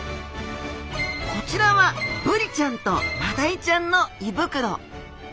こちらはブリちゃんとマダイちゃんの胃袋。